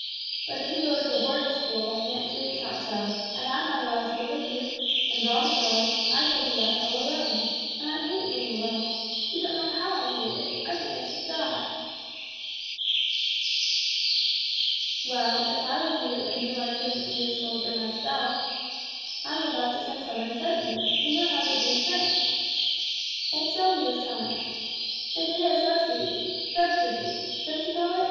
But if you go to a boarding school like Aunt Judy talks of, and I'm not allowed to go with you, and Rob is gone, I shall be left all alone; and I hate being alone, you don't know how I hate it I think I should die!" "Well, if I was you and knew I couldn't be a soldier myself, I would love to send some one instead of me you know how they do in France. Old Selby was telling us. They pay a subsidy substitute don't you call it?